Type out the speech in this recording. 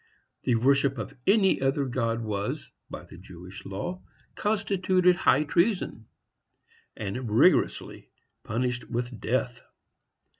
The worship of any other god was, by the Jewish law, constituted high treason, and rigorously punished with death.